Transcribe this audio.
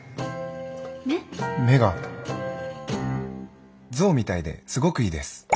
目が象みたいですごくいいです。